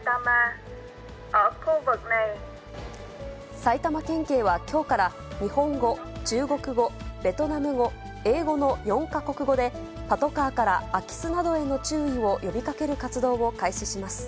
埼玉県警はきょうから、日本語、中国語、ベトナム語、英語の４か国語で、パトカーから空き巣などへの注意を呼びかける活動を開始します。